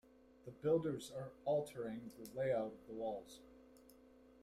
The builders are altering the layout of the walls.